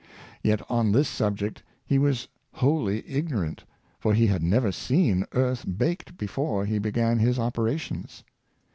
Yet, on this sub ject he was wholly ignorant, for he had never seen earth baked before he began his operations.